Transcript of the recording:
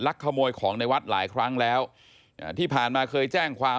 ขโมยของในวัดหลายครั้งแล้วอ่าที่ผ่านมาเคยแจ้งความ